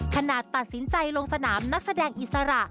ตัดสินใจลงสนามนักแสดงอิสระ